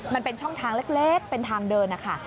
มันเป็นช่องทางเล็กเป็นทางเดินนะคะ